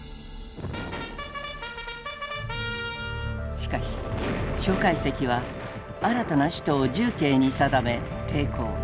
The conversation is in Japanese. しかし蒋介石は新たな首都を重慶に定め抵抗。